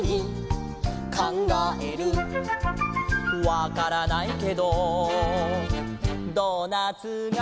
「わからないけどドーナツが」